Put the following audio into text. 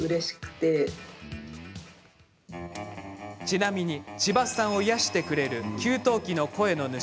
ちなみに、千葉さんを癒やしてくれる給湯器の声の主。